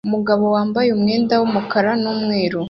Umugabo wambaye umwenda wumukara numweru